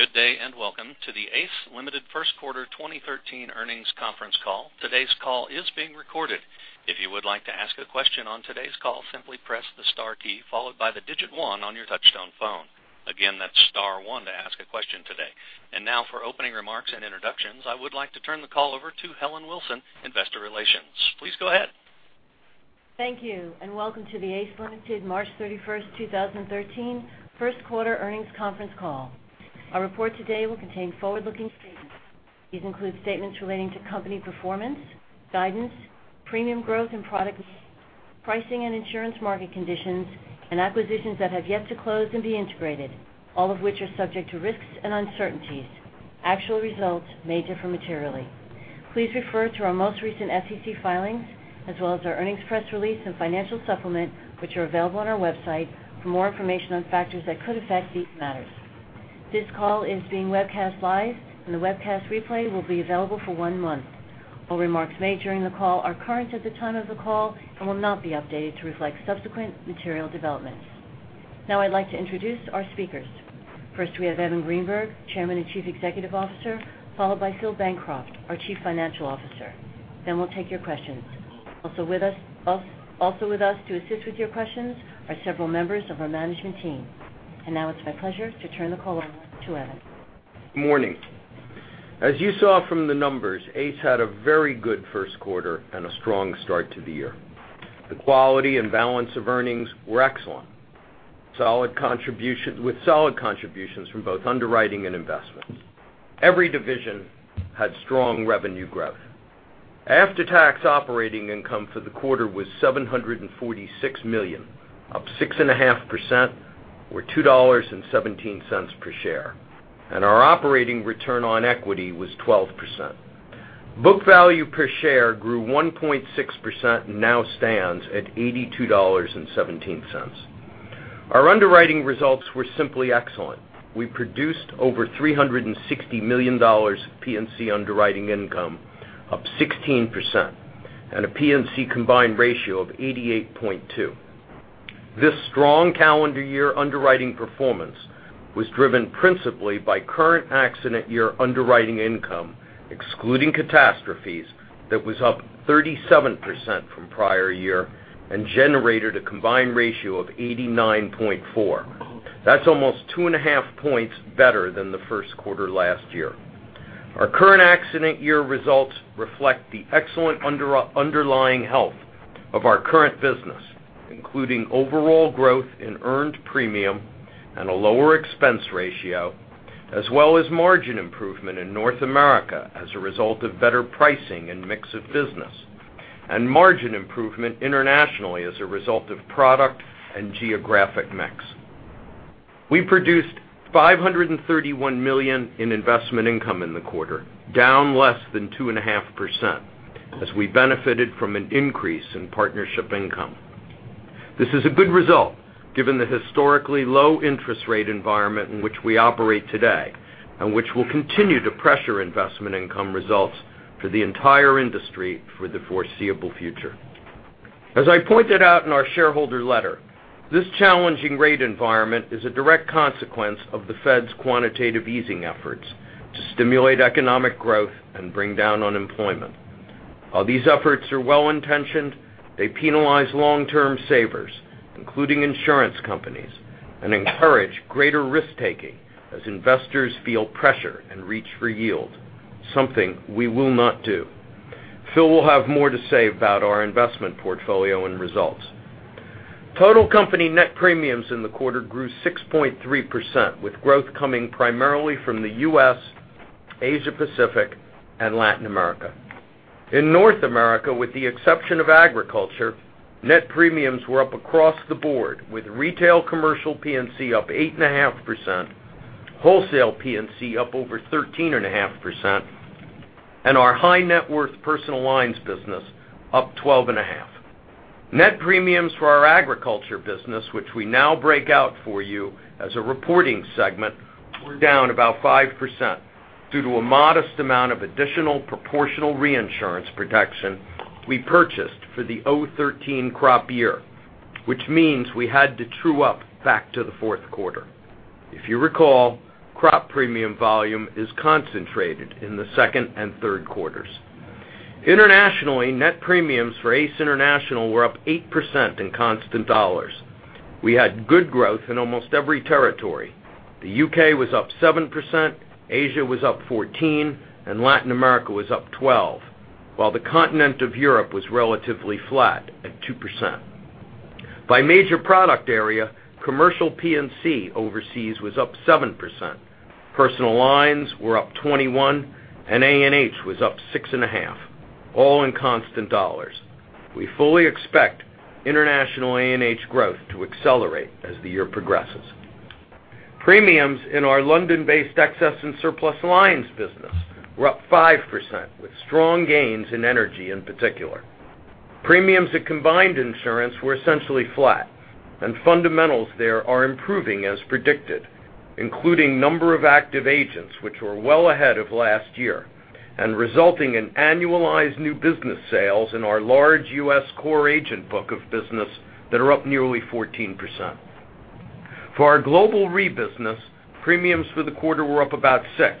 Good day. Welcome to the ACE Limited First Quarter 2013 Earnings Conference Call. Today's call is being recorded. If you would like to ask a question on today's call, simply press the star key followed by the digit 1 on your touchtone phone. Again, that's star 1 to ask a question today. Now for opening remarks and introductions, I would like to turn the call over to Helen Wilson, investor relations. Please go ahead. Thank you. Welcome to the ACE Limited March 31st, 2013 first quarter earnings conference call. Our report today will contain forward-looking statements. These include statements relating to company performance, guidance, premium growth and product, pricing and insurance market conditions, and acquisitions that have yet to close and be integrated, all of which are subject to risks and uncertainties. Actual results may differ materially. Please refer to our most recent SEC filings, as well as our earnings press release and financial supplement, which are available on our website for more information on factors that could affect these matters. This call is being webcast live. The webcast replay will be available for one month. All remarks made during the call are current at the time of the call and will not be updated to reflect subsequent material developments. I'd like to introduce our speakers. First, we have Evan Greenberg, Chairman and Chief Executive Officer, followed by Philip Bancroft, our Chief Financial Officer. We'll take your questions. Also with us to assist with your questions are several members of our management team. Now it's my pleasure to turn the call over to Evan. Morning. As you saw from the numbers, ACE had a very good first quarter and a strong start to the year. The quality and balance of earnings were excellent with solid contributions from both underwriting and investment. Every division had strong revenue growth. After-tax operating income for the quarter was $746 million, up 6.5%, or $2.17 per share. Our operating return on equity was 12%. Book value per share grew 1.6% and now stands at $82.17. Our underwriting results were simply excellent. We produced over $360 million of P&C underwriting income, up 16%, and a P&C combined ratio of 88.2. This strong calendar year underwriting performance was driven principally by current accident year underwriting income, excluding catastrophes, that was up 37% from prior year and generated a combined ratio of 89.4. That's almost 2.5 points better than the first quarter last year. Our current accident year results reflect the excellent underlying health of our current business, including overall growth in earned premium and a lower expense ratio, as well as margin improvement in North America as a result of better pricing and mix of business, and margin improvement internationally as a result of product and geographic mix. We produced $531 million in investment income in the quarter, down less than 2.5% as we benefited from an increase in partnership income. This is a good result given the historically low interest rate environment in which we operate today and which will continue to pressure investment income results for the entire industry for the foreseeable future. As I pointed out in our shareholder letter, this challenging rate environment is a direct consequence of the Fed's quantitative easing efforts to stimulate economic growth and bring down unemployment. While these efforts are well-intentioned, they penalize long-term savers, including insurance companies, and encourage greater risk-taking as investors feel pressure and reach for yield, something we will not do. Phil will have more to say about our investment portfolio and results. Total company net premiums in the quarter grew 6.3%, with growth coming primarily from the U.S., Asia Pacific, and Latin America. In North America, with the exception of agriculture, net premiums were up across the board, with retail commercial P&C up 8.5%, wholesale P&C up over 13.5%, and our high net worth personal lines business up 12.5%. Net premiums for our agriculture business, which we now break out for you as a reporting segment, were down about 5% due to a modest amount of additional proportional reinsurance protection we purchased for the 2013 crop year, which means we had to true up back to the fourth quarter. If you recall, crop premium volume is concentrated in the second and third quarters. Internationally, net premiums for ACE International were up 8% in constant dollars. We had good growth in almost every territory. The U.K. was up 7%, Asia was up 14%, and Latin America was up 12%, while the continent of Europe was relatively flat at 2%. By major product area, commercial P&C overseas was up 7%, personal lines were up 21%, and A&H was up 6.5%, all in constant dollars. We fully expect international A&H growth to accelerate as the year progresses. Premiums in our London-based excess and surplus lines business were up 5%, with strong gains in energy in particular. Premiums at Combined Insurance were essentially flat, and fundamentals there are improving as predicted, including number of active agents, which were well ahead of last year. Resulting in annualized new business sales in our large U.S. core agent book of business that are up nearly 14%. For our global Re business, premiums for the quarter were up about 6%,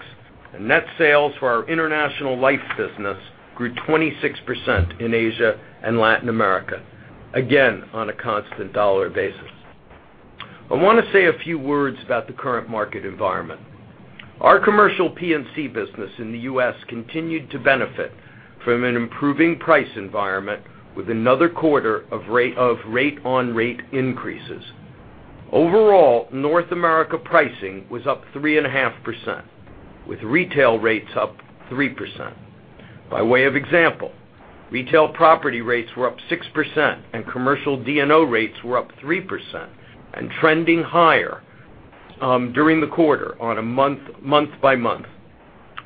and net sales for our international life business grew 26% in Asia and Latin America, again, on a constant dollar basis. I want to say a few words about the current market environment. Our commercial P&C business in the U.S. continued to benefit from an improving price environment with another quarter of rate on rate increases. Overall, North America pricing was up 3.5%, with retail rates up 3%. By way of example, retail property rates were up 6% and commercial D&O rates were up 3% and trending higher during the quarter on a month by month.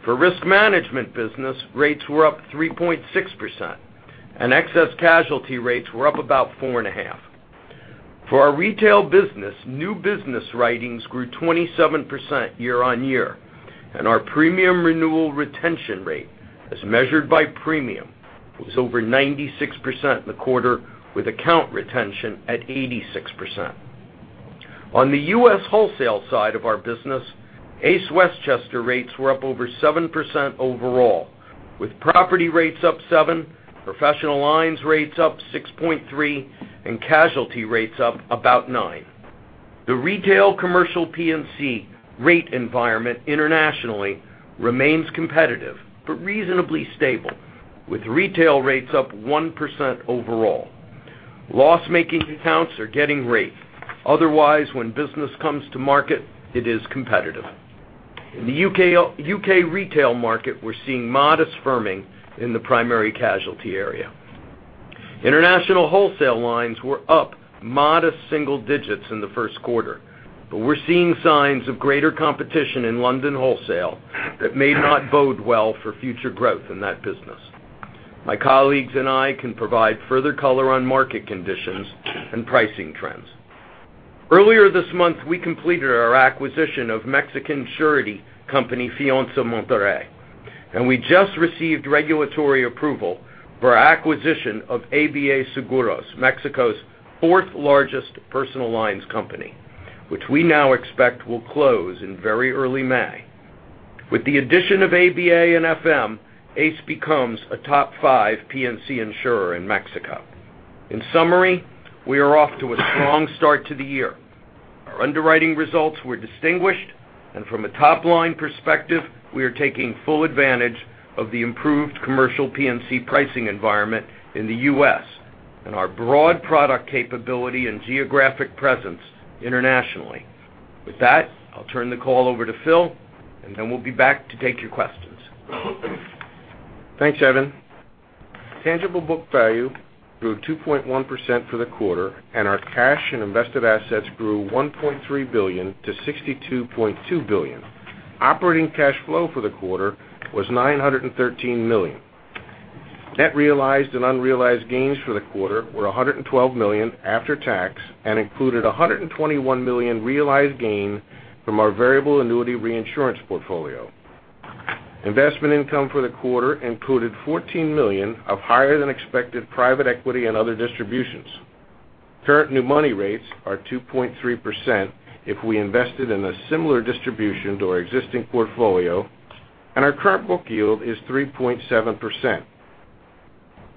For risk management business, rates were up 3.6%, and excess casualty rates were up about 4.5%. For our retail business, new business writings grew 27% year-over-year, and our premium renewal retention rate, as measured by premium, was over 96% in the quarter, with account retention at 86%. On the U.S. wholesale side of our business, ACE Westchester rates were up over 7% overall, with property rates up seven, professional lines rates up 6.3, and casualty rates up about nine. The retail commercial P&C rate environment internationally remains competitive but reasonably stable, with retail rates up 1% overall. Loss-making accounts are getting rate. Otherwise, when business comes to market, it is competitive. In the U.K. retail market, we're seeing modest firming in the primary casualty area. International wholesale lines were up modest single digits in the first quarter, but we're seeing signs of greater competition in London wholesale that may not bode well for future growth in that business. My colleagues and I can provide further color on market conditions and pricing trends. Earlier this month, we completed our acquisition of Mexican Surety Company, Fianza Monterrey, and we just received regulatory approval for our acquisition of ABA Seguros, Mexico's fourth largest personal lines company, which we now expect will close in very early May. With the addition of ABA and FM, ACE becomes a top five P&C insurer in Mexico. In summary, we are off to a strong start to the year. Our underwriting results were distinguished, and from a top-line perspective, we are taking full advantage of the improved commercial P&C pricing environment in the US and our broad product capability and geographic presence internationally. With that, I'll turn the call over to Phil, and then we'll be back to take your questions. Thanks, Evan. Tangible book value grew 2.1% for the quarter, and our cash and invested assets grew $1.3 billion to $62.2 billion. Operating cash flow for the quarter was $913 million. Net realized and unrealized gains for the quarter were $112 million after tax, and included $121 million realized gain from our variable annuity reinsurance portfolio. Investment income for the quarter included $14 million of higher than expected private equity and other distributions. Current new money rates are 2.3% if we invested in a similar distribution to our existing portfolio, and our current book yield is 3.7%.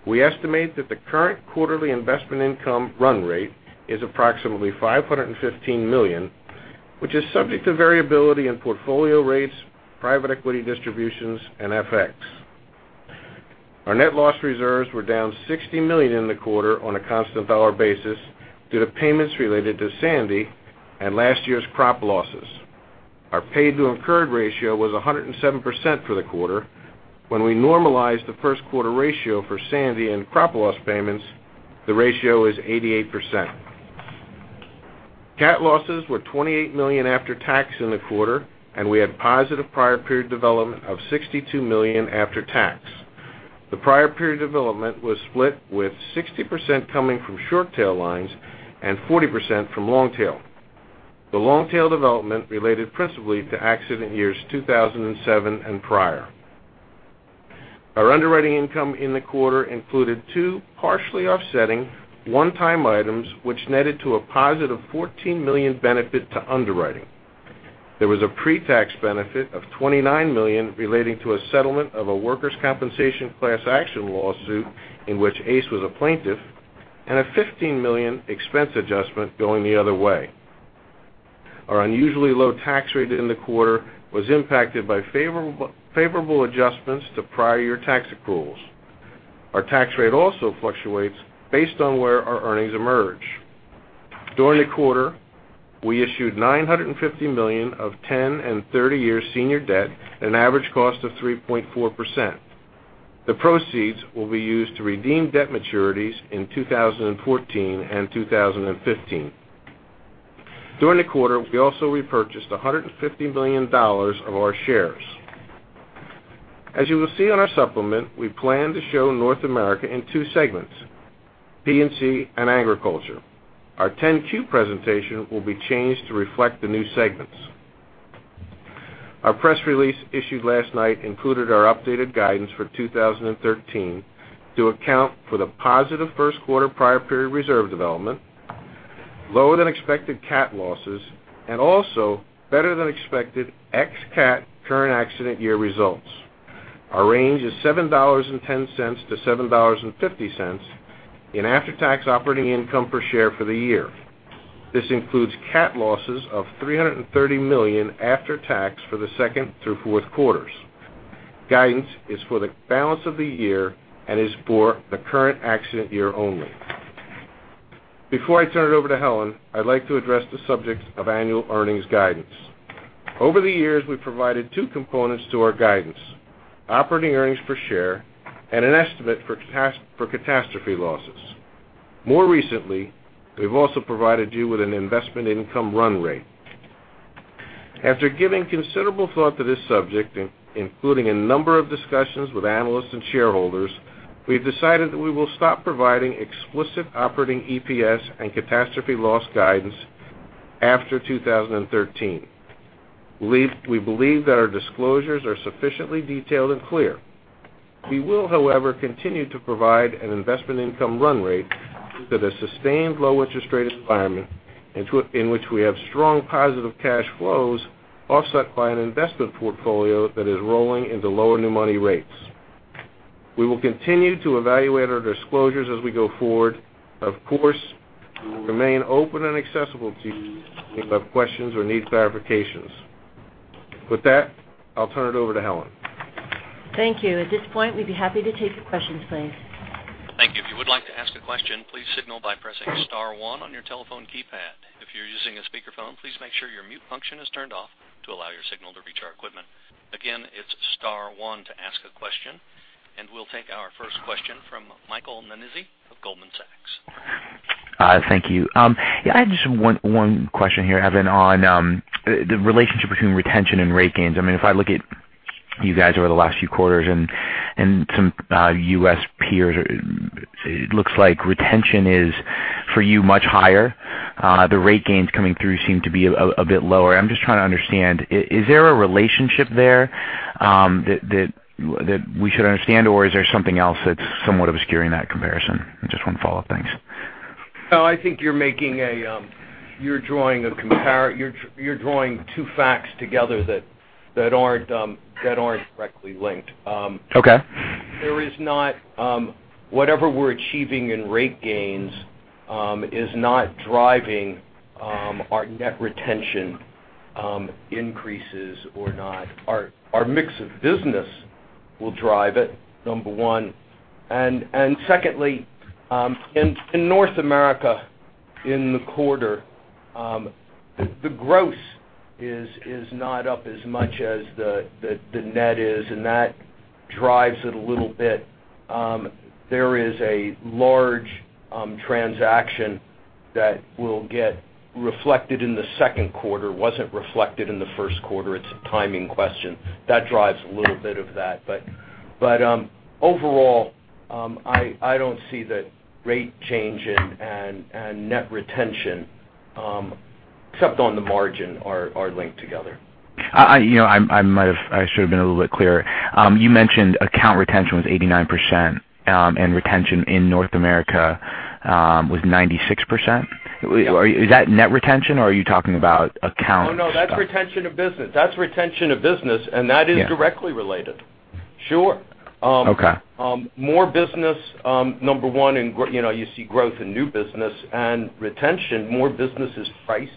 We estimate that the current quarterly investment income run rate is approximately $515 million, which is subject to variability in portfolio rates, private equity distributions, and FX. Our net loss reserves were down $60 million in the quarter on a constant dollar basis due to payments related to Sandy and last year's crop losses. Our paid to incurred ratio was 107% for the quarter. When we normalize the first quarter ratio for Sandy and crop loss payments, the ratio is 88%. Cat losses were $28 million after tax in the quarter, and we had positive prior period development of $62 million after tax. The prior period development was split, with 60% coming from short tail lines and 40% from long tail. The long tail development related principally to accident years 2007 and prior. Our underwriting income in the quarter included two partially offsetting one-time items which netted to a positive $14 million benefit to underwriting. There was a pre-tax benefit of $29 million relating to a settlement of a workers' compensation class action lawsuit in which ACE was a plaintiff and a $15 million expense adjustment going the other way. Our unusually low tax rate in the quarter was impacted by favorable adjustments to prior year tax accruals. Our tax rate also fluctuates based on where our earnings emerge. During the quarter, we issued $950 million of 10 and 30-year senior debt at an average cost of 3.4%. The proceeds will be used to redeem debt maturities in 2014 and 2015. During the quarter, we also repurchased $150 million of our shares. As you will see on our supplement, we plan to show North America in two segments: P&C and agriculture. Our 10-Q presentation will be changed to reflect the new segments. Our press release issued last night included our updated guidance for 2013 to account for the positive first quarter prior period reserve development, lower than expected cat losses, and also better than expected ex-cat current accident year results. Our range is $7.10 to $7.50 in after-tax operating income per share for the year. This includes cat losses of $330 million after tax for the second through fourth quarters. Guidance is for the balance of the year and is for the current accident year only. Before I turn it over to Helen, I'd like to address the subject of annual earnings guidance. Over the years, we've provided two components to our guidance, operating earnings per share, and an estimate for catastrophe losses. More recently, we've also provided you with an investment income run rate. After giving considerable thought to this subject, including a number of discussions with analysts and shareholders, we've decided that we will stop providing explicit operating EPS and catastrophe loss guidance after 2013. We believe that our disclosures are sufficiently detailed and clear. We will, however, continue to provide an investment income run rate to the sustained low interest rate environment in which we have strong positive cash flows offset by an investment portfolio that is rolling into lower new money rates. We will continue to evaluate our disclosures as we go forward. Of course, we remain open and accessible to you if you have questions or need clarifications. With that, I'll turn it over to Helen. Thank you. At this point, we'd be happy to take the questions, please. Thank you. If you would like to ask a question, please signal by pressing star one on your telephone keypad. If you're using a speakerphone, please make sure your mute function is turned off to allow your signal to reach our equipment. Again, it's star one to ask a question, and we'll take our first question from Michael Nannizzi of Goldman Sachs. Thank you. I had just one question here, Evan, on the relationship between retention and rate gains. If I look at you guys over the last few quarters and some U.S. peers, it looks like retention is, for you, much higher. The rate gains coming through seem to be a bit lower. I'm just trying to understand, is there a relationship there that we should understand, or is there something else that's somewhat obscuring that comparison? Just one follow-up. Thanks. No, I think you're drawing two facts together that aren't directly linked. Okay. Whatever we're achieving in rate gains is not driving our net retention increases or not. Our mix of business will drive it, number one. Secondly, in North America in the quarter, the gross is not up as much as the net is, and that drives it a little bit. There is a large transaction that will get reflected in the second quarter. It wasn't reflected in the first quarter. It's a timing question. That drives a little bit of that. Overall, I don't see that rate changing and net retention, except on the margin, are linked together. I should've been a little bit clearer. You mentioned account retention was 89%, and retention in North America was 96%. Yep. Is that net retention, or are you talking about account- Oh, no. That's retention of business. That is directly related. Sure. Okay. More business, number one, you see growth in new business and retention, more business is priced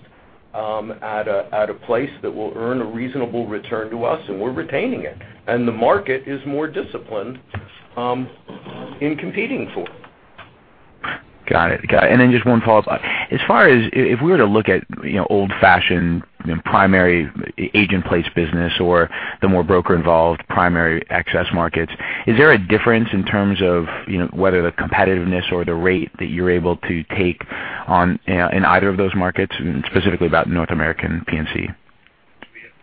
at a place that will earn a reasonable return to us, and we're retaining it. The market is more disciplined in competing for it. Got it. Just one follow-up. If we were to look at old-fashioned primary agent place business or the more broker-involved primary excess markets, is there a difference in terms of whether the competitiveness or the rate that you're able to take on in either of those markets, and specifically about North American P&C? We have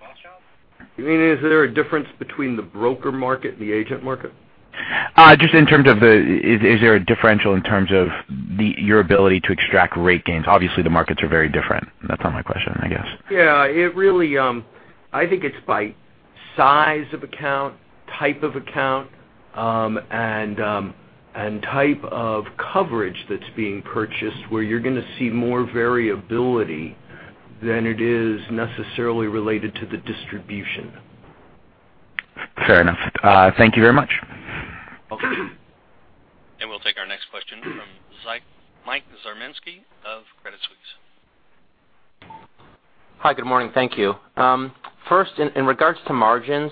Josh out. You mean is there a difference between the broker market and the agent market? Just is there a differential in terms of your ability to extract rate gains? Obviously, the markets are very different. That's not my question, I guess. Yeah. I think it's by size of account, type of account, and type of coverage that's being purchased, where you're going to see more variability than it is necessarily related to the distribution. Fair enough. Thank you very much. Okay. We'll take our next question from Mike Zaremski of Credit Suisse. Hi, good morning. Thank you. First, in regards to margins,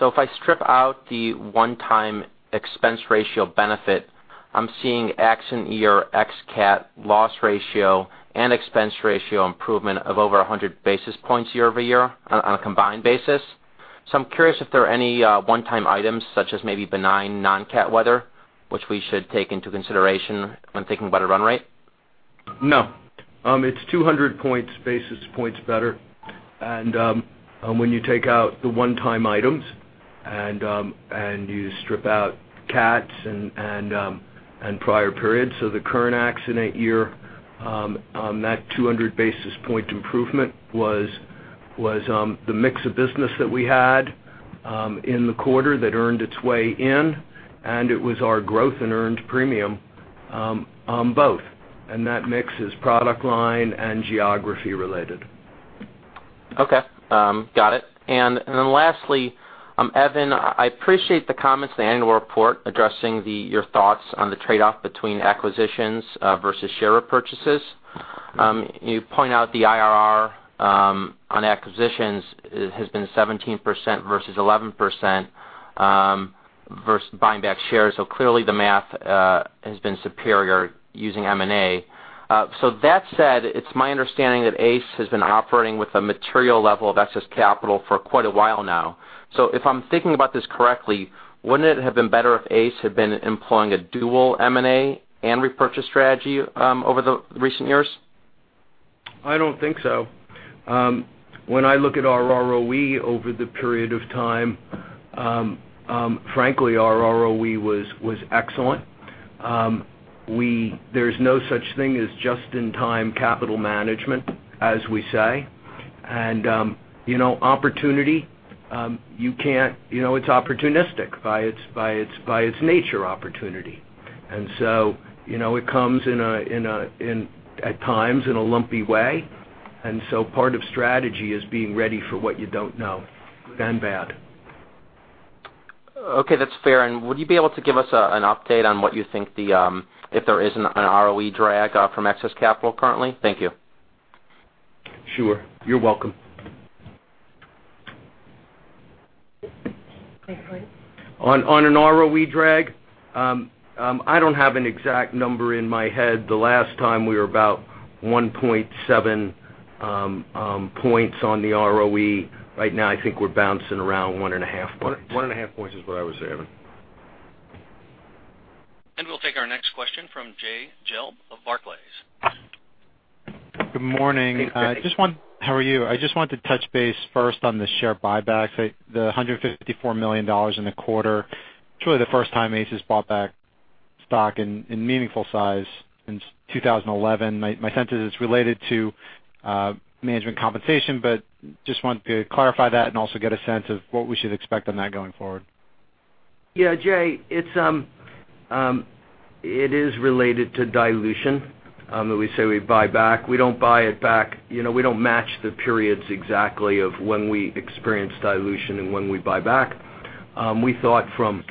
if I strip out the one-time expense ratio benefit, I'm seeing accident year ex cat loss ratio and expense ratio improvement of over 100 basis points year-over-year on a combined basis. I'm curious if there are any one-time items, such as maybe benign non-cat weather, which we should take into consideration when thinking about a run rate? No. It's 200 basis points better. When you take out the one-time items and you strip out CATs and prior periods, the current accident year on that 200 basis point improvement was the mix of business that we had in the quarter that earned its way in, and it was our growth in earned premium on both. That mix is product line and geography related. Okay. Got it. Lastly, Evan, I appreciate the comments in the annual report addressing your thoughts on the trade-off between acquisitions versus share repurchases. You point out the IRR on acquisitions has been 17% versus 11% versus buying back shares. Clearly the math has been superior using M&A. That said, it's my understanding that ACE has been operating with a material level of excess capital for quite a while now. If I'm thinking about this correctly, wouldn't it have been better if ACE had been employing a dual M&A and repurchase strategy over the recent years? I don't think so. When I look at our ROE over the period of time, frankly, our ROE was excellent. There's no such thing as just-in-time capital management, as we say. Opportunity, it's opportunistic by its nature, opportunity. It comes at times in a lumpy way, and so part of strategy is being ready for what you don't know, good and bad. Okay, that's fair. Would you be able to give us an update on what you think the, if there is an ROE drag from excess capital currently? Thank you. Sure. You're welcome. Next question. On an ROE drag? I don't have an exact number in my head. The last time we were about 1.7 points on the ROE. Right now, I think we're bouncing around one and a half points. One and a half points is what I was saying. We'll take our next question from Jay Gelb of Barclays. Good morning. Hey. How are you? I just wanted to touch base first on the share buybacks, the $154 million in the quarter. It's really the first time ACE has bought back stock in meaningful size since 2011. My sense is it's related to management compensation, but just wanted to clarify that and also get a sense of what we should expect on that going forward. Yeah, Jay, it is related to dilution, that we say we buy back. We don't buy it back. We don't match the periods exactly of when we experience dilution and when we buy back. We thought from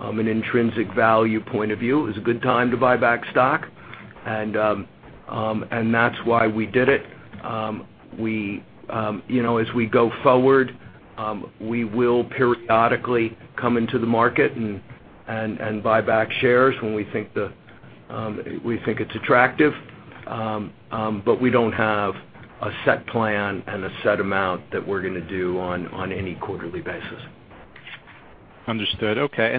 an intrinsic value point of view, it was a good time to buy back stock, and that's why we did it. We go forward, we will periodically come into the market and buy back shares when we think it's attractive. We don't have a set plan and a set amount that we're going to do on any quarterly basis. Understood. Okay.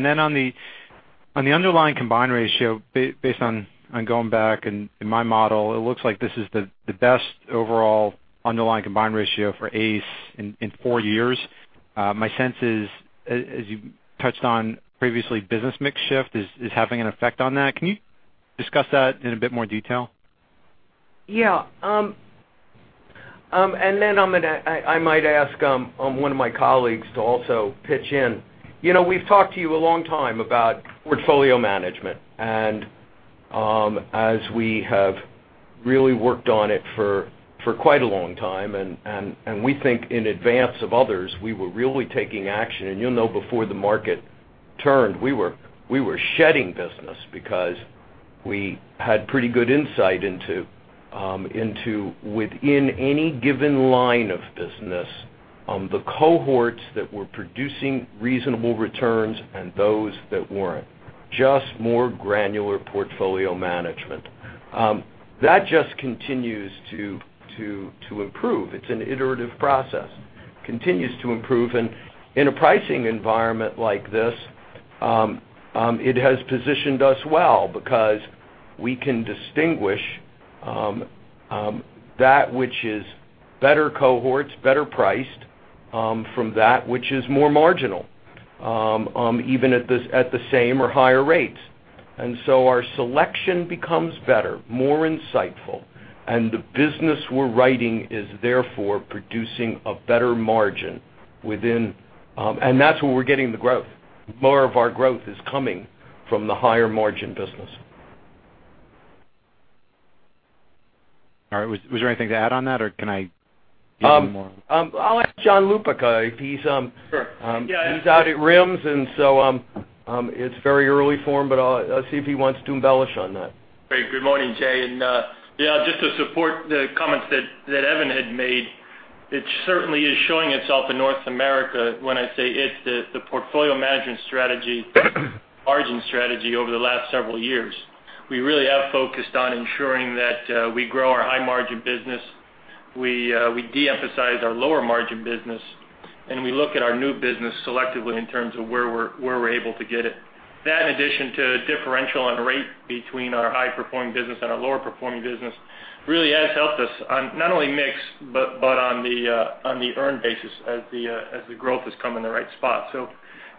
On the underlying combined ratio, based on going back in my model, it looks like this is the best overall underlying combined ratio for ACE in 4 years. My sense is, as you touched on previously, business mix shift is having an effect on that. Can you discuss that in a bit more detail? Yeah. I might ask one of my colleagues to also pitch in. We've talked to you a long time about portfolio management, as we have really worked on it for quite a long time, and we think in advance of others, we were really taking action. You'll know before the market turned, we were shedding business because we had pretty good insight into within any given line of business the cohorts that were producing reasonable returns and those that weren't. Just more granular portfolio management. That just continues to improve. It's an iterative process. Continues to improve, in a pricing environment like this, it has positioned us well because we can distinguish that which is better cohorts, better priced from that which is more marginal, even at the same or higher rates. Our selection becomes better, more insightful, and the business we're writing is therefore producing a better margin. That's where we're getting the growth. More of our growth is coming from the higher margin business. All right. Was there anything to add on that, or can I give you more? I'll ask John Lupica if he's- Sure. Yeah he's out at RIMS, and so it's very early for him, but I'll see if he wants to embellish on that. Great. Good morning, Jay. Yeah, just to support the comments that Evan had made, it certainly is showing itself in North America when I say it's the portfolio management strategy, margin strategy over the last several years. We really have focused on ensuring that we grow our high margin business. We de-emphasize our lower margin business, and we look at our new business selectively in terms of where we're able to get it. That, in addition to differential on rate between our high-performing business and our lower-performing business, really has helped us on not only mix but on the earn basis as the growth has come in the right spot.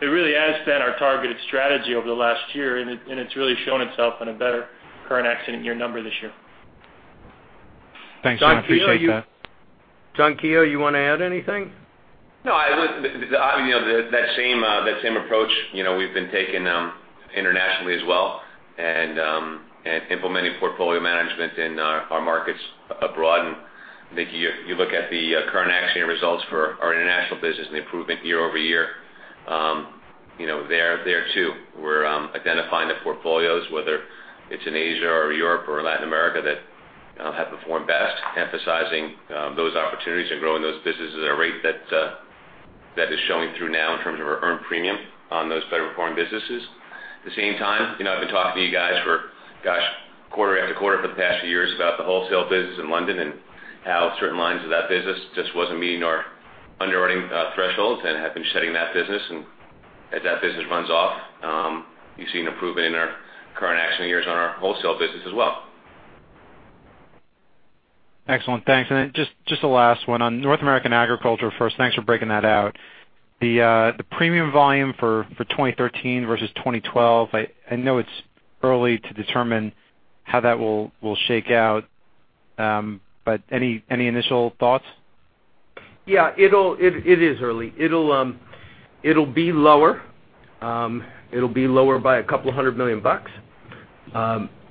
It really has been our targeted strategy over the last year, and it's really shown itself in a better current accident year number this year. Thanks, John. I appreciate that. John Keogh, you want to add anything? No. That same approach we've been taking internationally as well and implementing portfolio management in our markets abroad. I think you look at the current accident results for our international business and the improvement year-over-year there too. We're identifying the portfolios, whether it's in Asia or Europe or Latin America, that have performed best, emphasizing those opportunities and growing those businesses at a rate that is showing through now in terms of our earned premium on those better-performing businesses. At the same time, I've been talking to you guys for, gosh, quarter after quarter for the past few years about the wholesale business in London and how certain lines of that business just wasn't meeting our underwriting threshold and have been shedding that business. As that business runs off, you've seen improvement in our current accident years on our wholesale business as well. Excellent. Thanks. Just the last one on North American agriculture first. Thanks for breaking that out. The premium volume for 2013 versus 2012, I know it's early to determine how that will shake out, but any initial thoughts? Yeah, it is early. It will be lower. It will be lower by $a couple of hundred million.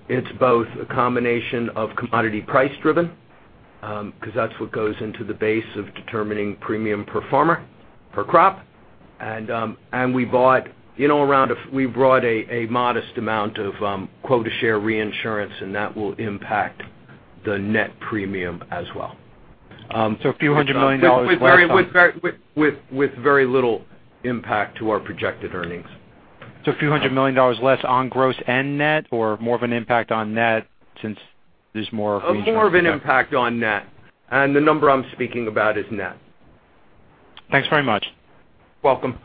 It is both a combination of commodity price driven because that is what goes into the base of determining premium per farmer, per crop, and we brought a modest amount of quota share reinsurance, and that will impact the net premium as well. A few hundred million dollars less on- With very little impact to our projected earnings. A few hundred million dollars less on gross and net or more of an impact on net since there is more reinsurance- More of an impact on net, and the number I'm speaking about is net. Thanks very much. Welcome.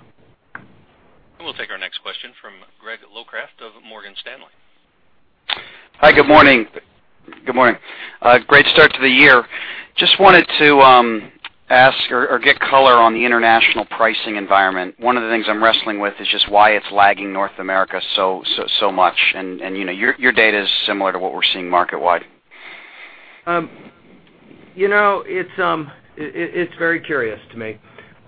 We'll take our next question from Gregory Locraft of Morgan Stanley. Hi, good morning. Great start to the year. Just wanted to ask or get color on the international pricing environment. One of the things I'm wrestling with is just why it's lagging North America so much, and your data is similar to what we're seeing market wide. It's very curious to me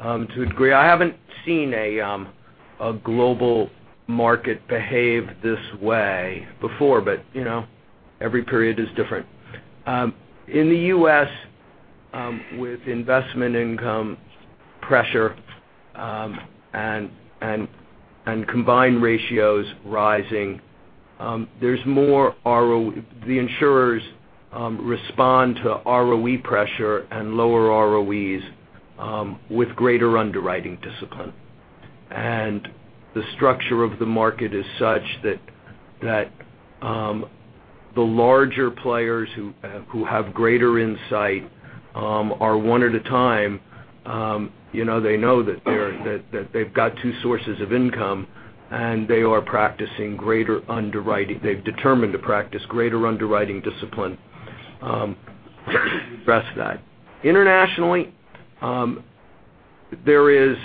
to a degree. I haven't seen a global market behave this way before, but every period is different. In the U.S., with investment income pressure and combined ratios rising, the insurers respond to ROE pressure and lower ROEs with greater underwriting discipline. The structure of the market is such that the larger players who have greater insight are one at a time. They know that they've got two sources of income, and they've determined to practice greater underwriting discipline to address that. Internationally, there is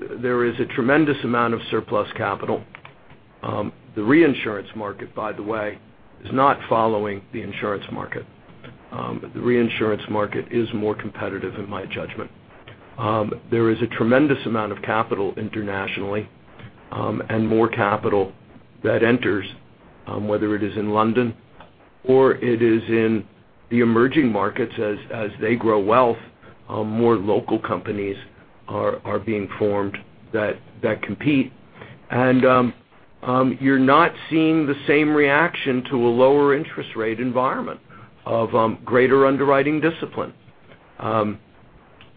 a tremendous amount of surplus capital. The reinsurance market, by the way, is not following the insurance market. The reinsurance market is more competitive in my judgment. There is a tremendous amount of capital internationally and more capital that enters, whether it is in London or it is in the emerging markets as they grow wealth, more local companies are being formed that compete. You're not seeing the same reaction to a lower interest rate environment of greater underwriting discipline.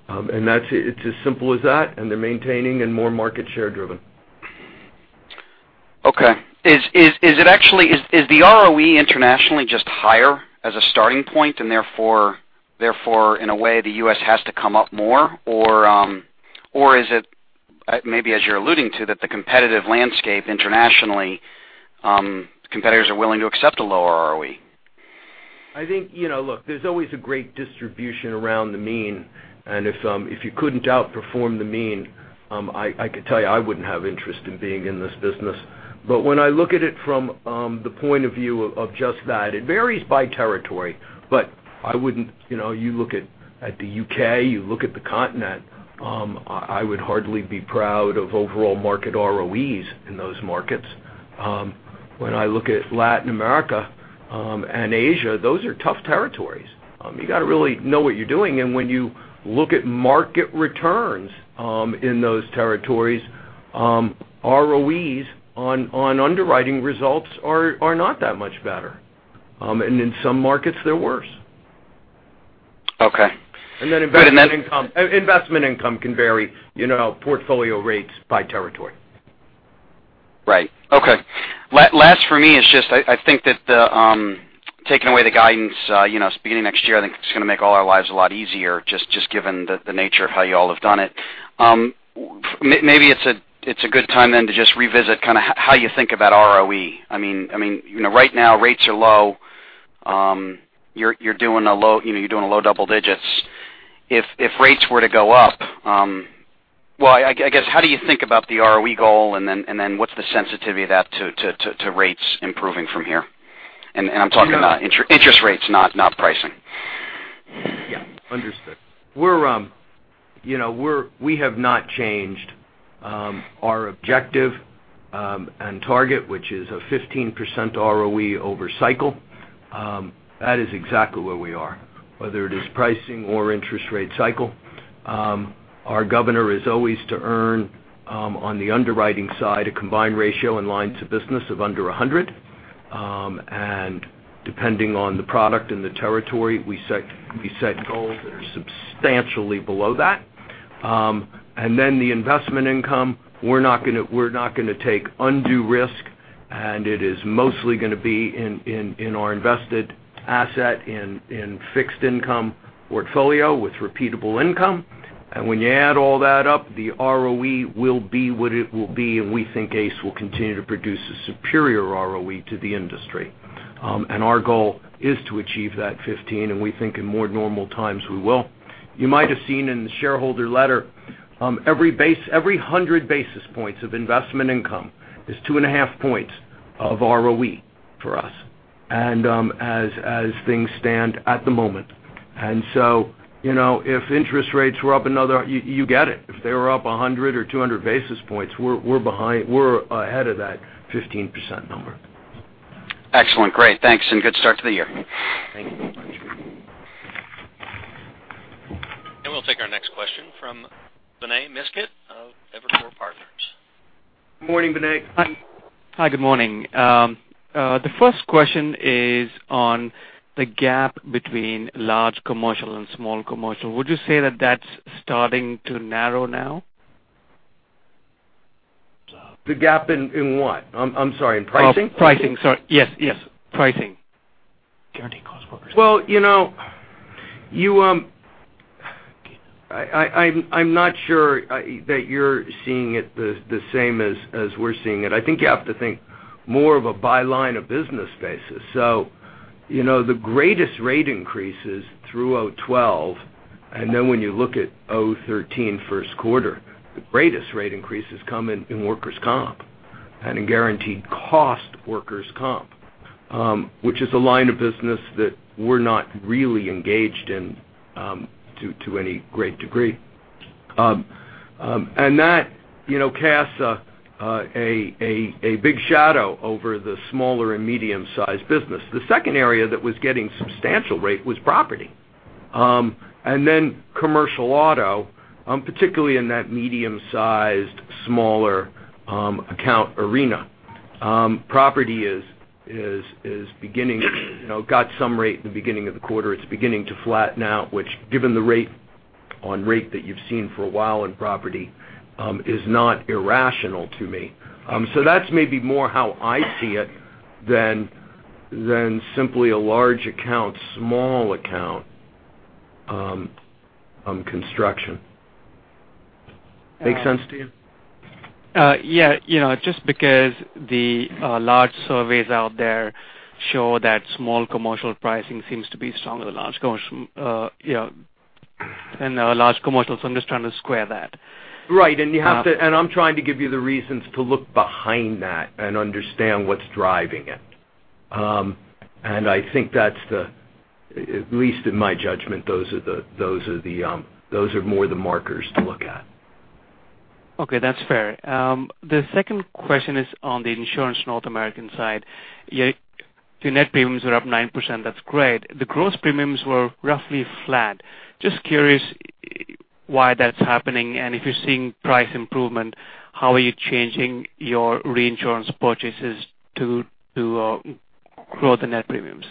It's as simple as that, and they're maintaining and more market share driven. Okay. Is the ROE internationally just higher as a starting point and therefore, in a way, the U.S. has to come up more? Or is it maybe as you're alluding to that the competitive landscape internationally, competitors are willing to accept a lower ROE? I think, look, there's always a great distribution around the mean, and if you couldn't outperform the mean, I could tell you I wouldn't have interest in being in this business. When I look at it from the point of view of just that, it varies by territory. You look at the U.K., you look at the continent, I would hardly be proud of overall market ROEs in those markets. When I look at Latin America and Asia, those are tough territories. You got to really know what you're doing, and when you look at market returns in those territories, ROEs on underwriting results are not that much better. In some markets, they're worse. Okay. Investment income can vary portfolio rates by territory. Right. Okay. Last for me is just I think that taking away the guidance, beginning next year, I think it's going to make all our lives a lot easier, just given the nature of how you all have done it. Maybe it's a good time then to just revisit how you think about ROE. Right now rates are low. You're doing low double digits. If rates were to go up, well, I guess, how do you think about the ROE goal, and then what's the sensitivity of that to rates improving from here? I'm talking about interest rates, not pricing. Yeah. Understood. We have not changed our objective and target, which is a 15% ROE over cycle. That is exactly where we are. Whether it is pricing or interest rate cycle, our governor is always to earn on the underwriting side a combined ratio in line to business of under 100%. Depending on the product and the territory, we set goals that are substantially below that. The investment income, we're not going to take undue risk, and it is mostly going to be in our invested asset in fixed income portfolio with repeatable income. When you add all that up, the ROE will be what it will be, and we think ACE will continue to produce a superior ROE to the industry. Our goal is to achieve that 15, and we think in more normal times, we will. You might have seen in the shareholder letter every 100 basis points of investment income is 2.5 points of ROE for us, as things stand at the moment. If interest rates were up another, you get it. If they were up 100 or 200 basis points, we're ahead of that 15% number. Excellent. Great. Thanks and good start to the year. Thank you very much. We'll take our next question from Vinay Misquith of Evercore Partners. Morning, Vinay. Hi, good morning. The first question is on the gap between large commercial and small commercial. Would you say that that's starting to narrow now? The gap in what? I'm sorry, in pricing? Oh, pricing. Sorry. Yes. Pricing. Guaranteed cost workers. Well, I'm not sure that you're seeing it the same as we're seeing it. I think you have to think more of a by line of business basis. The greatest rate increases through 2012, and then when you look at 2013 first quarter, the greatest rate increases come in workers' comp and in guaranteed cost workers' comp, which is a line of business that we're not really engaged in to any great degree. That casts a big shadow over the smaller and medium-sized business. The second area that was getting substantial rate was property. Commercial auto, particularly in that medium-sized, smaller account arena. Property got some rate at the beginning of the quarter. It's beginning to flatten out, which given the rate on rate that you've seen for a while in property, is not irrational to me. That's maybe more how I see it than simply a large account, small account construction. Make sense to you? Yeah. Just because the large surveys out there show that small commercial pricing seems to be stronger than large commercial. I'm just trying to square that. Right. I'm trying to give you the reasons to look behind that and understand what's driving it. I think that's the, at least in my judgment, those are more the markers to look at. Okay, that's fair. The second question is on the insurance North American side. Your net premiums were up 9%, that's great. The gross premiums were roughly flat. Just curious why that's happening, and if you're seeing price improvement, how are you changing your reinsurance purchases to grow the net premiums?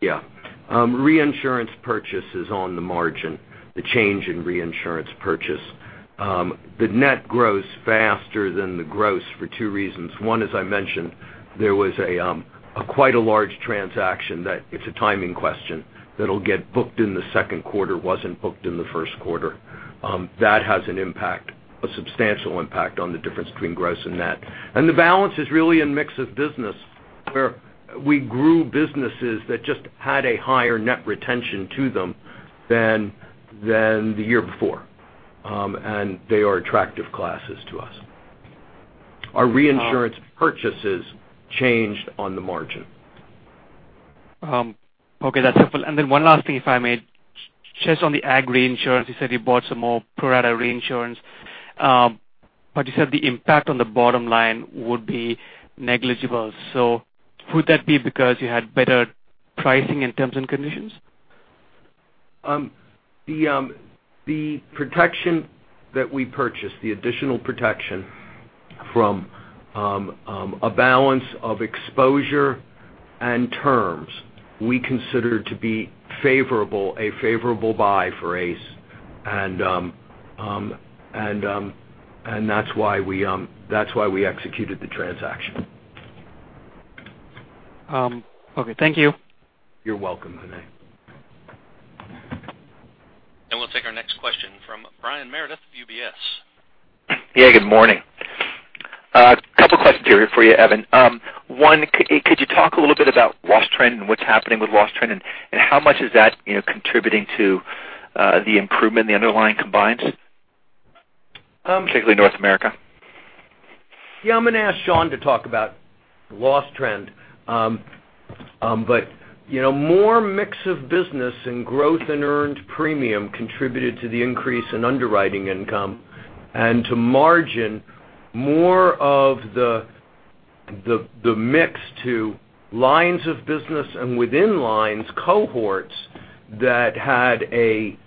Yeah. Reinsurance purchase is on the margin, the change in reinsurance purchase. The net grows faster than the gross for two reasons. One, as I mentioned, there was quite a large transaction that it's a timing question that'll get booked in the second quarter, wasn't booked in the first quarter. That has an impact, a substantial impact on the difference between gross and net. The balance is really in mix of business, where we grew businesses that just had a higher net retention to them than the year before. They are attractive classes to us. Our reinsurance purchases changed on the margin. Okay, that's helpful. Then one last thing, if I may. Just on the ag reinsurance, you said you bought some more pro rata reinsurance. You said the impact on the bottom line would be negligible. Would that be because you had better pricing and terms and conditions? The protection that we purchased, the additional protection from a balance of exposure and terms we consider to be favorable, a favorable buy for ACE. That's why we executed the transaction. Okay, thank you. You're welcome, Vinay We'll take our next question from Brian Meredith of UBS. Good morning. A couple questions here for you, Evan. One, could you talk a little bit about loss trend and what's happening with loss trend, and how much is that contributing to the improvement in the underlying combined, particularly North America? I'm going to ask Sean to talk about loss trend. More mix of business and growth in earned premium contributed to the increase in underwriting income and to margin more of the mix to lines of business and within lines cohorts that had a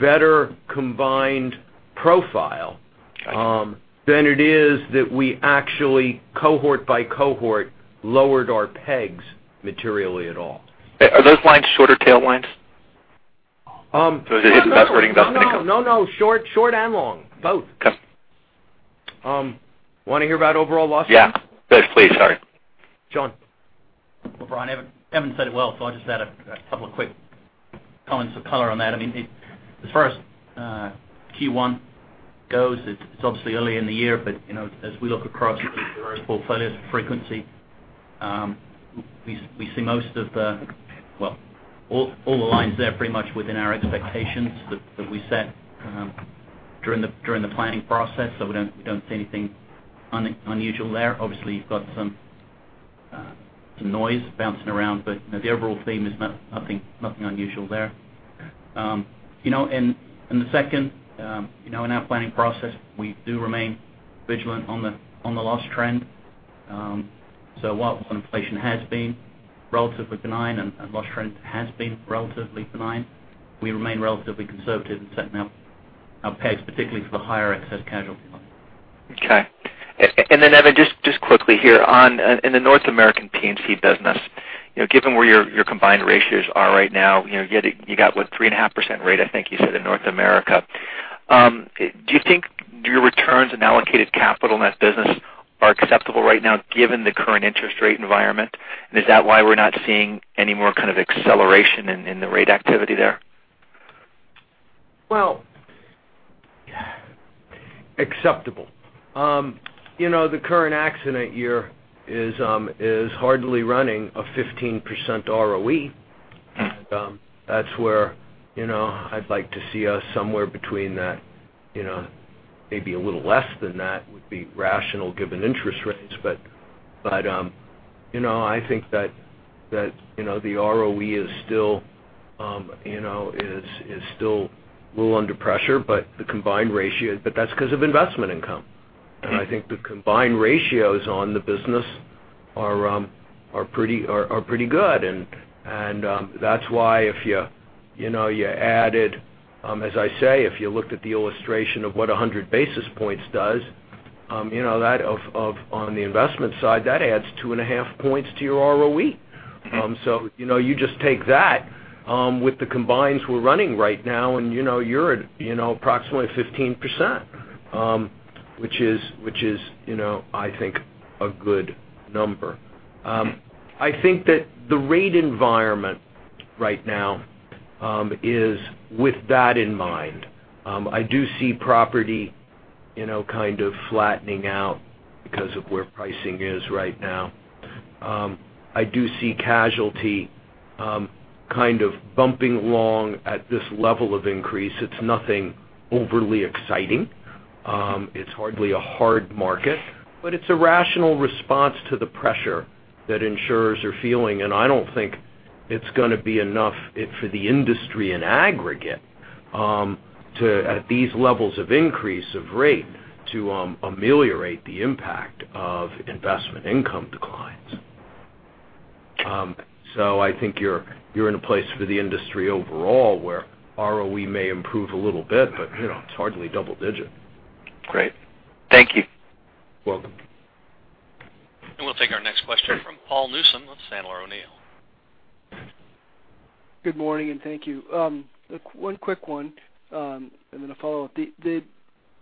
better combined profile than it is that we actually cohort by cohort lowered our pegs materially at all. Are those lines shorter tail lines? No. No, short and long. Both. Okay. Want to hear about overall loss trends? Yeah. Please, sorry. Sean. Well, Brian, Evan said it well, I'll just add a couple of quick comments of color on that. As far as Q1 goes, it's obviously early in the year, but as we look across various portfolios of frequency, we see all the lines there pretty much within our expectations that we set during the planning process. We don't see anything unusual there. Obviously, you've got some noise bouncing around, but the overall theme is nothing unusual there. The second, in our planning process, we do remain vigilant on the loss trend. While inflation has been relatively benign and loss trend has been relatively benign, we remain relatively conservative in setting our pegs, particularly for the higher excess casualty lines. Okay. Evan, just quickly here. In the North American P&C business, given where your combined ratios are right now, you got what, 3.5% rate, I think you said, in North America. Do you think your returns on allocated capital in that business are acceptable right now given the current interest rate environment? Is that why we're not seeing any more kind of acceleration in the rate activity there? Well, acceptable. The current accident year is hardly running a 15% ROE, and that's where I'd like to see us somewhere between that, maybe a little less than that would be rational given interest rates. I think that the ROE is still a little under pressure, but the combined ratio, but that's because of investment income. I think the combined ratios on the business are pretty good. That's why if you added, as I say, if you looked at the illustration of what 100 basis points does on the investment side, that adds two and a half points to your ROE. You just take that with the combines we're running right now, and you're at approximately 15%, which is, I think, a good number. I think that the rate environment right now is with that in mind. I do see property kind of flattening out because of where pricing is right now. I do see casualty kind of bumping along at this level of increase. It's nothing overly exciting. It's hardly a hard market, but it's a rational response to the pressure that insurers are feeling, and I don't think it's going to be enough for the industry in aggregate at these levels of increase of rate to ameliorate the impact of investment income declines. I think you're in a place for the industry overall where ROE may improve a little bit, but it's hardly double digit. Great. Thank you. Welcome. We'll take our next question from Paul Newsome with Sandler O'Neill. Good morning, and thank you. One quick one, and then a follow-up. The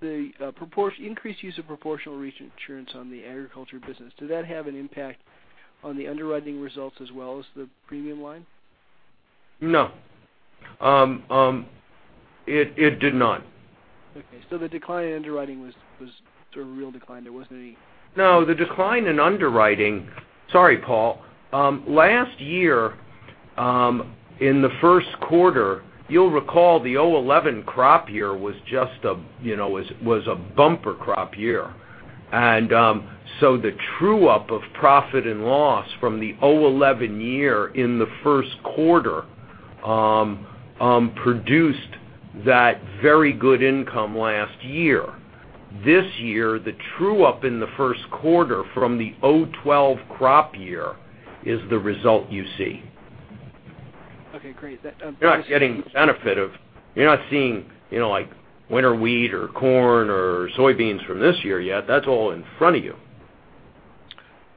increased use of proportional reinsurance on the agriculture business, did that have an impact on the underwriting results as well as the premium line? No. It did not. Okay. The decline in underwriting was a real decline. There wasn't. No, the decline in underwriting Sorry, Paul. Last year, in the first quarter, you'll recall the 2011 crop year was a bumper crop year. The true-up of profit and loss from the 2011 year in the first quarter produced that very good income last year. This year, the true-up in the first quarter from the 2012 crop year is the result you see. Okay, great. You're not seeing like winter wheat or corn or soybeans from this year yet. That's all in front of you.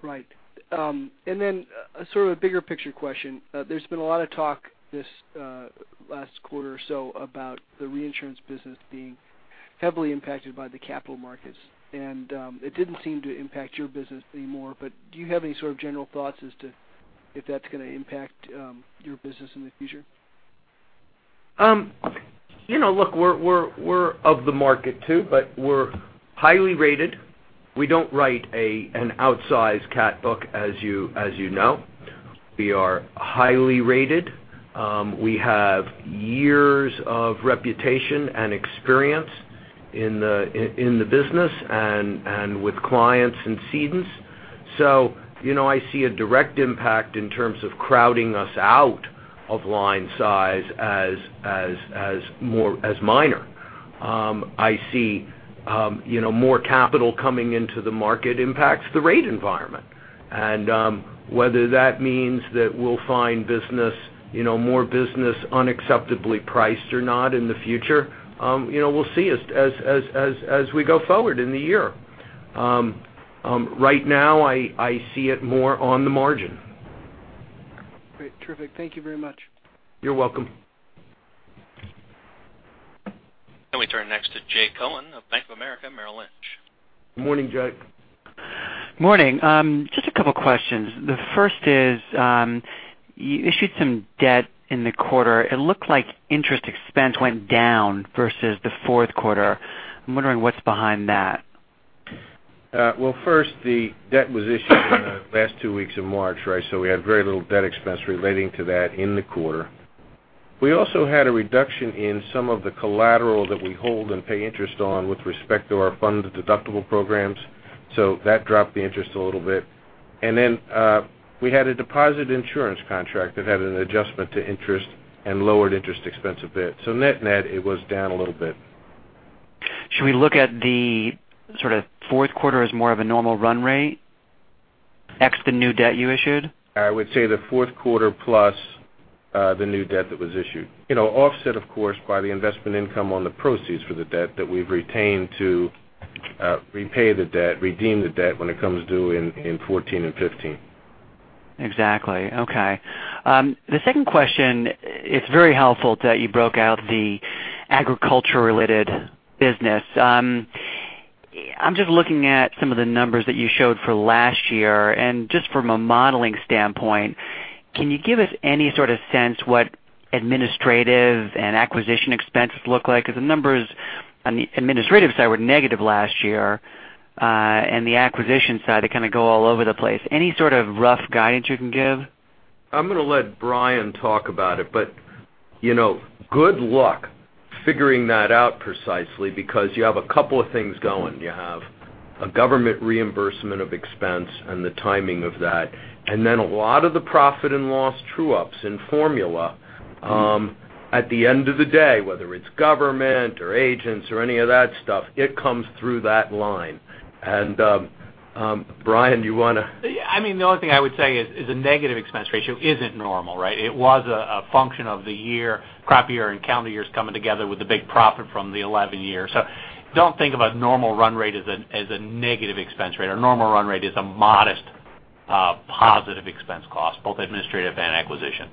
Right. Sort of a bigger picture question. There's been a lot of talk this last quarter or so about the reinsurance business being heavily impacted by the capital markets, and it didn't seem to impact your business anymore, but do you have any sort of general thoughts as to if that's going to impact your business in the future? Look, we're of the market too, but we're highly rated. We don't write an outsized cat book, as you know. We are highly rated. We have years of reputation and experience in the business and with clients and cedents. I see a direct impact in terms of crowding us out of line size as minor. I see more capital coming into the market impacts the rate environment. Whether that means that we'll find more business unacceptably priced or not in the future, we'll see as we go forward in the year. Right now, I see it more on the margin. Great, terrific. Thank you very much. You're welcome. We turn next to Jay Cohen of Bank of America Merrill Lynch. Morning, Jay. Morning. Just a couple of questions. The first is, you issued some debt in the quarter. It looked like interest expense went down versus the fourth quarter. I'm wondering what's behind that. First, the debt was issued in the last two weeks of March, right? We had very little debt expense relating to that in the quarter. We also had a reduction in some of the collateral that we hold and pay interest on with respect to our funded deductible programs. That dropped the interest a little bit. We had a deposit insurance contract that had an adjustment to interest and lowered interest expense a bit. Net-net, it was down a little bit. Should we look at the sort of fourth quarter as more of a normal run rate, ex the new debt you issued? I would say the fourth quarter plus the new debt that was issued. Offset, of course, by the investment income on the proceeds for the debt that we've retained to repay the debt, redeem the debt when it comes due in 2014 and 2015. Exactly. Okay. The second question, it's very helpful that you broke out the agriculture related business. I'm just looking at some of the numbers that you showed for last year, and just from a modeling standpoint, can you give us any sort of sense what administrative and acquisition expenses look like? Because the numbers on the administrative side were negative last year. The acquisition side, they kind of go all over the place. Any sort of rough guidance you can give? Good luck figuring that out precisely because you have a couple of things going. You have a government reimbursement of expense and the timing of that. A lot of the profit and loss true-ups in formula at the end of the day, whether it's government or agents or any of that stuff, it comes through that line. Brian, do you want to? The only thing I would say is a negative expense ratio isn't normal, right? It was a function of the year, crop year and calendar years coming together with the big profit from the 2011 year. Don't think about normal run rate as a negative expense rate. Our normal run rate is a modest positive expense cost, both administrative and acquisition.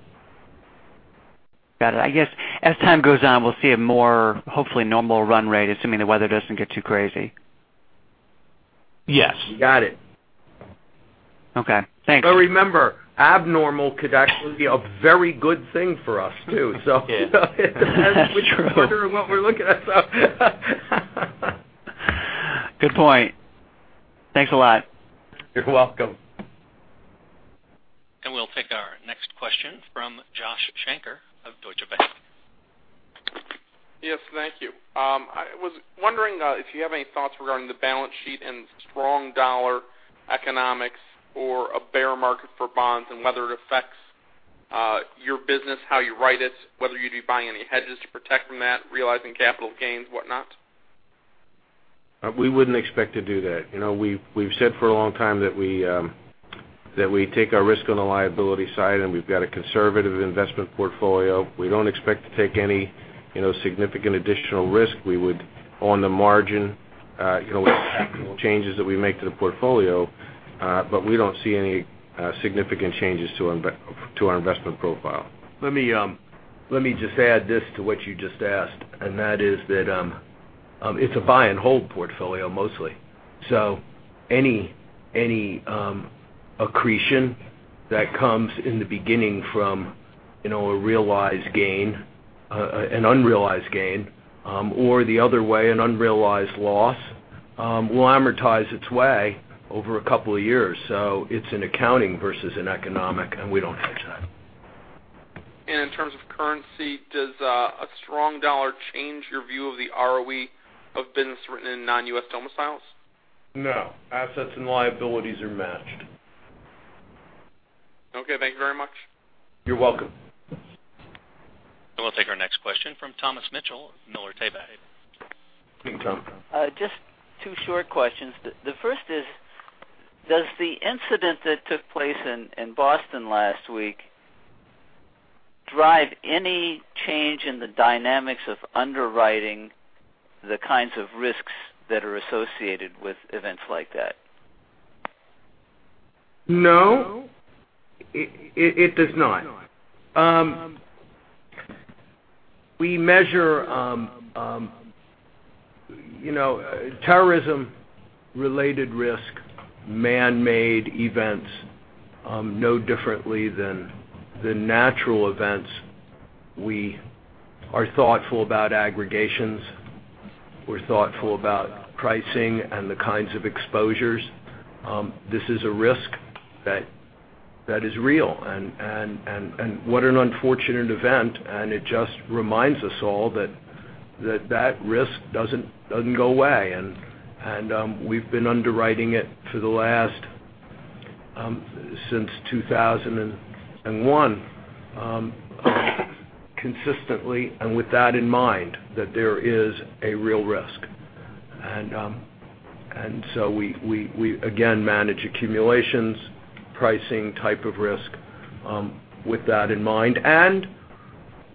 Got it. I guess as time goes on, we'll see a more hopefully normal run rate, assuming the weather doesn't get too crazy. Yes. You got it. Okay. Thanks. Remember, abnormal could actually be a very good thing for us too. It is. That's true. considering what we're looking at. Good point. Thanks a lot. You're welcome. We'll take our next question from Joshua Shanker of Deutsche Bank. Yes, thank you. I was wondering if you have any thoughts regarding the balance sheet and strong dollar economics or a bear market for bonds and whether it affects your business, how you write it, whether you'd be buying any hedges to protect from that, realizing capital gains, whatnot. We wouldn't expect to do that. We've said for a long time that we take our risk on the liability side, and we've got a conservative investment portfolio. We don't expect to take any significant additional risk. We would on the margin with changes that we make to the portfolio, but we don't see any significant changes to our investment profile. Let me just add this to what you just asked, and that is that it's a buy and hold portfolio mostly. Any accretion that comes in the beginning from a realized gain, an unrealized gain, or the other way, an unrealized loss, will amortize its way over a couple of years. It's an accounting versus an economic, and we don't hedge that. In terms of currency, does a strong dollar change your view of the ROE of business written in non-U.S. domiciles? No. Assets and liabilities are matched. Okay, thank you very much. You're welcome. We'll take our next question from Thomas Mitchell of Miller Tabak. Tom. Just two short questions. The first is, does the incident that took place in Boston last week drive any change in the dynamics of underwriting the kinds of risks that are associated with events like that? No, it does not. We measure terrorism-related risk, manmade events, no differently than natural events. We are thoughtful about aggregations. We're thoughtful about pricing and the kinds of exposures. This is a risk that is real. What an unfortunate event, and it just reminds us all that that risk doesn't go away. We've been underwriting it since 2001 consistently, and with that in mind, that there is a real risk. We, again, manage accumulations, pricing type of risk, with that in mind.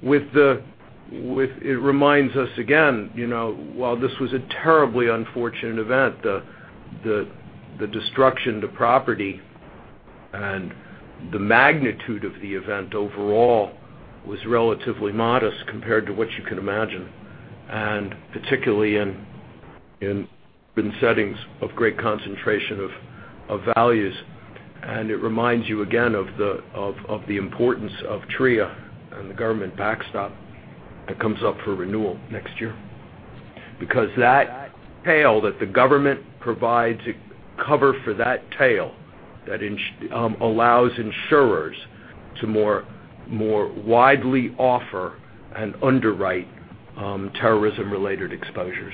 It reminds us again, while this was a terribly unfortunate event, the destruction to property and the magnitude of the event overall was relatively modest compared to what you can imagine, and particularly in settings of great concentration of values. It reminds you again of the importance of TRIA and the government backstop that comes up for renewal next year. Because that tail that the government provides cover for that tail, that allows insurers to more widely offer and underwrite terrorism-related exposures.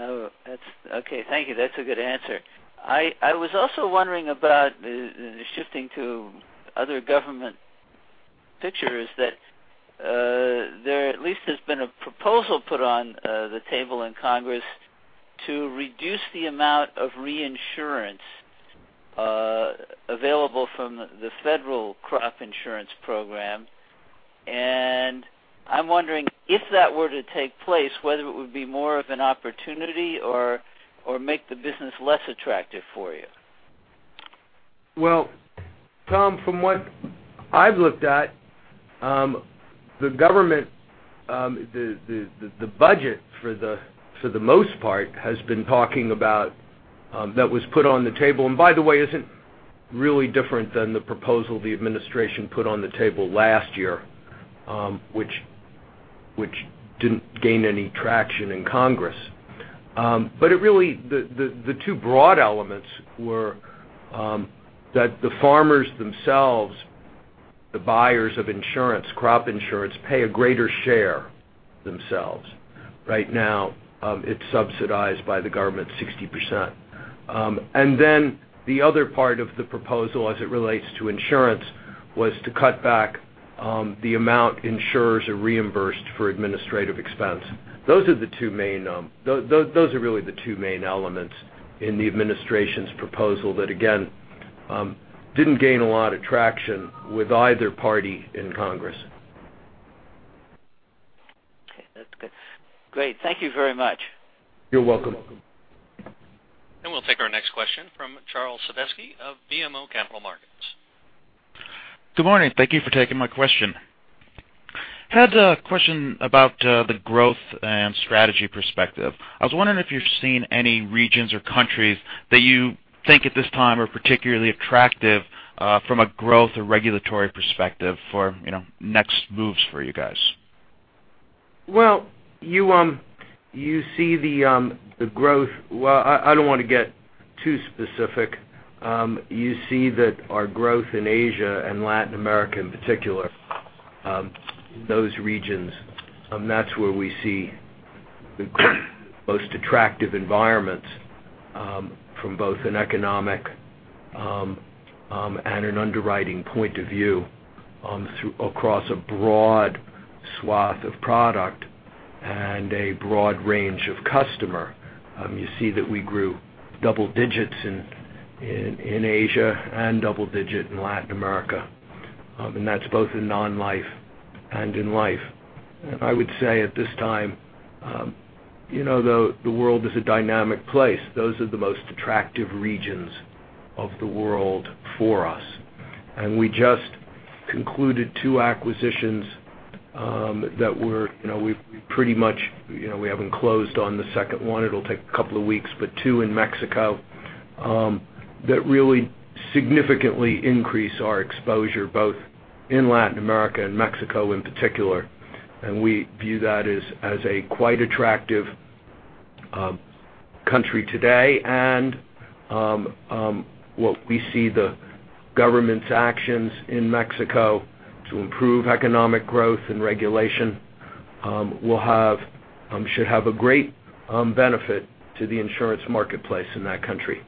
Okay, thank you. That's a good answer. I was also wondering about, shifting to other government pictures, that there at least has been a proposal put on the table in Congress to reduce the amount of reinsurance available from the federal crop insurance program. I'm wondering, if that were to take place, whether it would be more of an opportunity or make the business less attractive for you. Well, Tom, from what I've looked at, the budget for the most part has been talking about, that was put on the table, and by the way, isn't really different than the proposal the administration put on the table last year, which didn't gain any traction in Congress. The two broad elements were that the farmers themselves, the buyers of insurance, crop insurance, pay a greater share themselves. Right now, it's subsidized by the government 60%. The other part of the proposal as it relates to insurance was to cut back the amount insurers are reimbursed for administrative expense. Those are really the two main elements in the administration's proposal that again, didn't gain a lot of traction with either party in Congress. Okay, that's good. Great. Thank you very much. You're welcome. We'll take our next question from Charles Sebaski of BMO Capital Markets. Good morning. Thank you for taking my question. I had a question about the growth and strategy perspective. I was wondering if you've seen any regions or countries that you think at this time are particularly attractive from a growth or regulatory perspective for next moves for you guys. You see the growth. I don't want to get too specific. You see that our growth in Asia and Latin America in particular, those regions, that's where we see the most attractive environments from both an economic and an underwriting point of view across a broad swath of product and a broad range of customer. You see that we grew double digits in Asia and double digit in Latin America, and that's both in non-life and in life. I would say at this time, the world is a dynamic place. Those are the most attractive regions of the world for us. We just concluded two acquisitions that we haven't closed on the second one, it'll take a couple of weeks, but two in Mexico, that really significantly increase our exposure both in Latin America and Mexico in particular. We view that as a quite attractive country today. What we see the government's actions in Mexico to improve economic growth and regulation should have a great benefit to the insurance marketplace in that country.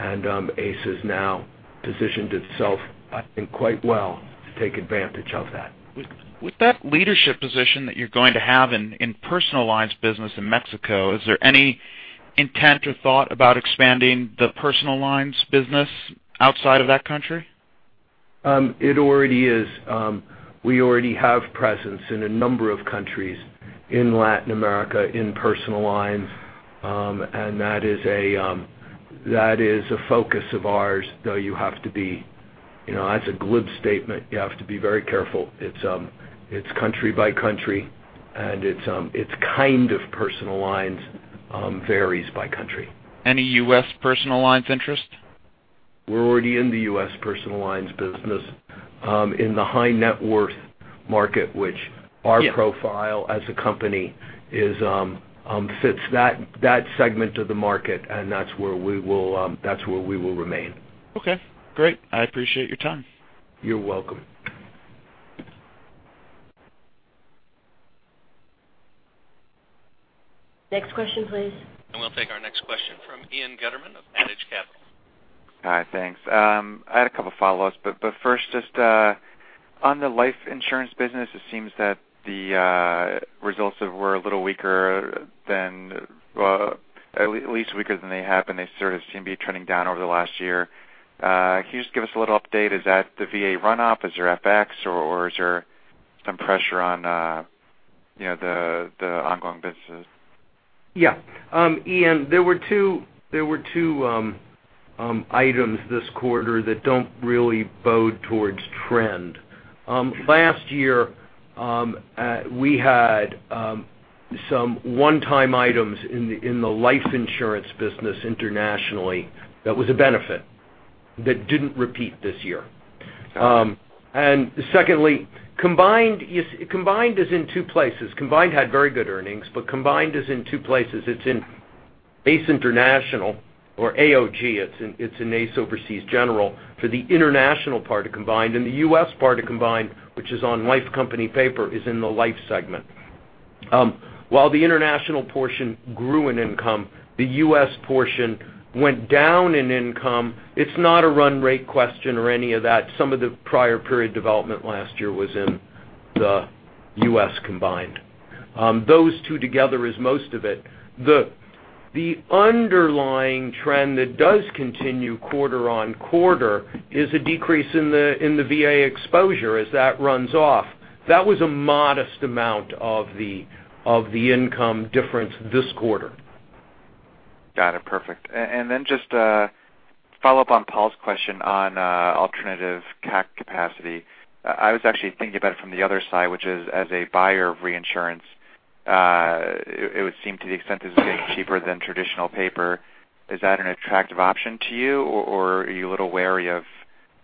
ACE has now positioned itself, I think, quite well to take advantage of that. With that leadership position that you're going to have in personal lines business in Mexico, is there any intent or thought about expanding the personal lines business outside of that country? It already is. We already have presence in a number of countries in Latin America in personal lines. That is a focus of ours, though that's a glib statement. You have to be very careful. It's country by country, and its kind of personal lines varies by country. Any U.S. personal lines interest? We're already in the U.S. personal lines business, in the high net worth market, which our profile as a company fits that segment of the market, and that's where we will remain. Okay, great. I appreciate your time. You're welcome. Next question, please. We'll take our next question from Ian Gutterman of Adage Capital. Hi, thanks. I had a two follow-ups, but first, just on the life insurance business, it seems that the results were a little weaker than, well, at least weaker than they have been. They sort of seem to be trending down over the last year. Can you just give us a little update? Is that the VA run-off? Is there FX or is there some pressure on the ongoing business? Yeah. Ian, there were two items this quarter that don't really bode towards trend. Last year, we had some one-time items in the life insurance business internationally that was a benefit that didn't repeat this year. Secondly, Combined is in two places. Combined had very good earnings, but Combined is in two places. It's in ACE International or AOG. It's in ACE Overseas General for the international part of Combined, and the U.S. part of Combined, which is on life company paper, is in the life segment. While the international portion grew in income, the U.S. portion went down in income. It's not a run rate question or any of that. Some of the prior period development last year was in the U.S. Combined. Those two together is most of it. The underlying trend that does continue quarter-on-quarter is a decrease in the VA exposure as that runs off. That was a modest amount of the income difference this quarter. Got it. Perfect. Just a follow-up on Paul's question on alternative cat capacity. I was actually thinking about it from the other side, which is as a buyer of reinsurance. It would seem to the extent this is getting cheaper than traditional paper. Is that an attractive option to you, or are you a little wary of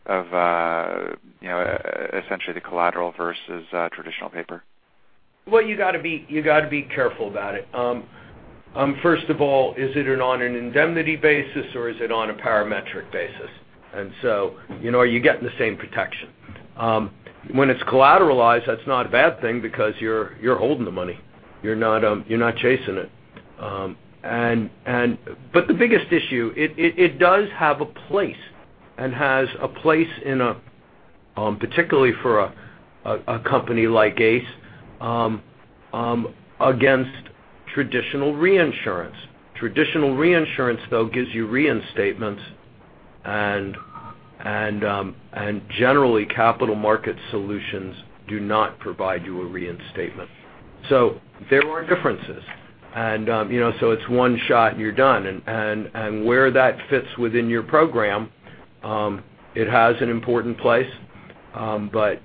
essentially the collateral versus traditional paper? Well, you got to be careful about it. First of all, is it on an indemnity basis, or is it on a parametric basis? Are you getting the same protection? When it's collateralized, that's not a bad thing because you're holding the money. You're not chasing it. The biggest issue, it does have a place and has a place in a, particularly for a company like ACE, against traditional reinsurance. Traditional reinsurance, though, gives you reinstatements and generally, capital market solutions do not provide you a reinstatement. There are differences. It's one shot and you're done, and where that fits within your program, it has an important place, but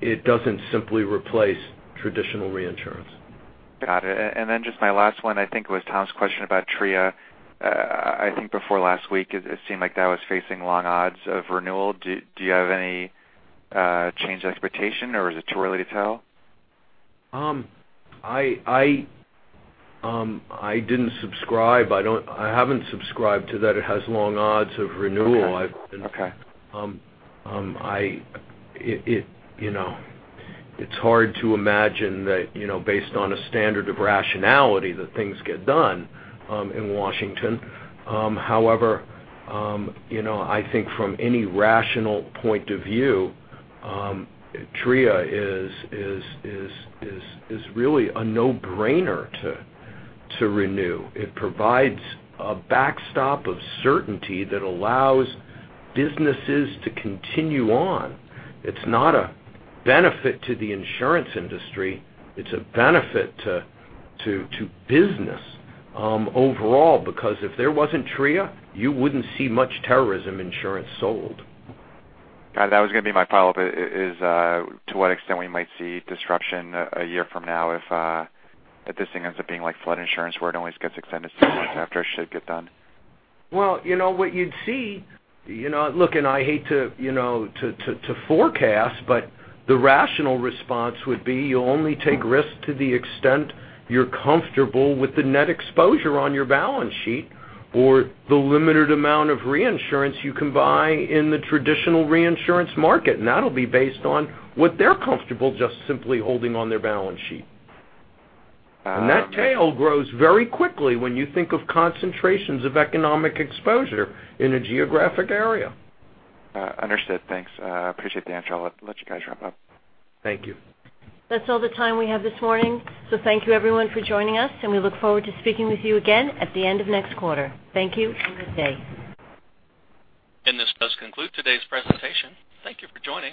it doesn't simply replace traditional reinsurance. Got it. Just my last one, I think, was Tom's question about TRIA. I think before last week it seemed like that was facing long odds of renewal. Do you have any change of expectation, or is it too early to tell? I didn't subscribe. I haven't subscribed to that it has long odds of renewal. Okay. It's hard to imagine that based on a standard of rationality that things get done in Washington. However, I think from any rational point of view, TRIA is really a no-brainer to renew. It provides a backstop of certainty that allows businesses to continue on. It's not a benefit to the insurance industry, it's a benefit to business overall, because if there wasn't TRIA, you wouldn't see much terrorism insurance sold. Got it. That was going to be my follow-up, is to what extent we might see disruption a year from now if this thing ends up being like flood insurance, where it always gets extended six months after it should get done. Well, what you'd see, look, and I hate to forecast, but the rational response would be you only take risks to the extent you're comfortable with the net exposure on your balance sheet or the limited amount of reinsurance you can buy in the traditional reinsurance market. That'll be based on what they're comfortable just simply holding on their balance sheet. That tail grows very quickly when you think of concentrations of economic exposure in a geographic area. Understood. Thanks. Appreciate the answer. I'll let you guys wrap up. Thank you. That's all the time we have this morning. Thank you, everyone, for joining us, and we look forward to speaking with you again at the end of next quarter. Thank you, and good day. This does conclude today's presentation. Thank you for joining.